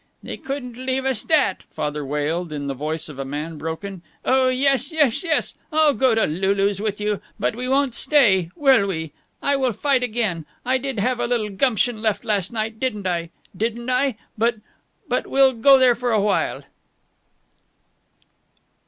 "They couldn't even leave us that," Father wailed, in the voice of a man broken. "Oh yes, yes, yes, I'll go to Lulu's with you. But we won't stay. Will we! I will fight again. I did have a little gumption left last night, didn't I? Didn't I? But but we'll go there for a while."